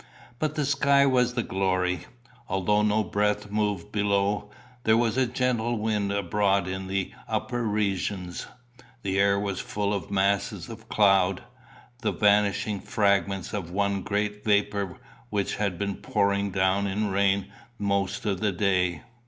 But the sky was the glory. Although no breath moved below, there was a gentle wind abroad in the upper regions. The air was full of masses of cloud, the vanishing fragments of the one great vapour which had been pouring down in rain the most of the day.